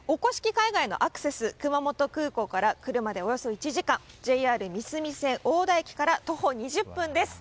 海岸へのアクセス熊本空港から車でおよそ１時間ＪＲ三角線網田駅から徒歩２０分です。